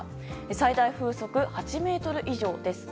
最大風速８メートル以上です。